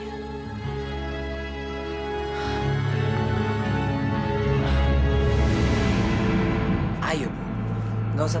dia harus menerimanya